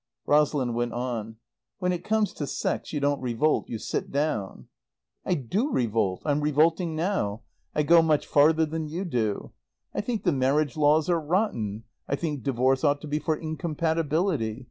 Rosalind went on. "When it comes to sex you don't revolt. You sit down." "I do revolt. I'm revolting now. I go much farther than you do. I think the marriage laws are rotten; I think divorce ought to be for incompatibility.